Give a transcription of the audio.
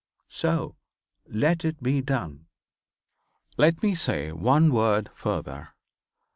So let it be done. "Let me say one word further.